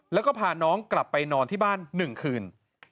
แล้วก็พาน้องกลับไปนอนที่บ้าน๑คืน